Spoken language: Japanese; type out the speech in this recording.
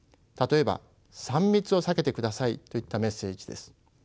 例えば「３密を避けてください」といったメッセージです。